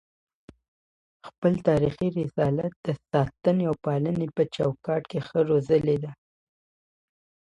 خپل تاریخي رسالت د ساتني او پالني په چوکاټ کي ښه روزلی دی